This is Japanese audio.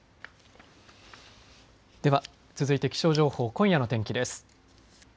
では続いて気象情報、今夜の天気です。